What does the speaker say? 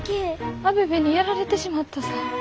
アベベにやられてしまったさぁ。